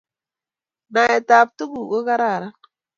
Naetab tukuk ko kararan